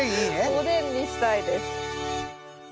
おでんにしたいです。